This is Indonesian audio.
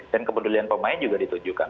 dan kepedulian pemain juga ditujukan